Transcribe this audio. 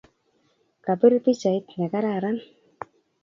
Kapir pichait ne kararan